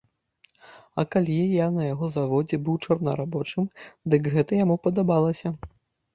А калі я на яго заводзе быў чорнарабочым, дык гэта яму падабалася!